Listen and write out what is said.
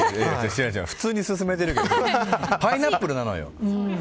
普通に進めてるけどパイナップルなのよ。